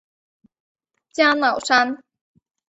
加瑙山。